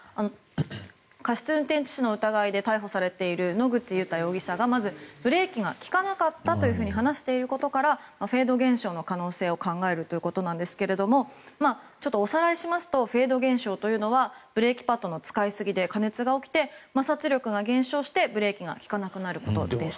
過失運転致死の疑いで逮捕されている野口祐太容疑者がまずブレーキが利かなかったと話していることからフェード現象の可能性を考えるということですがおさらいしますとフェード現象というのはブレーキパッドの使い過ぎで加熱が起きて摩擦力が減少して、ブレーキが利かなくなることです。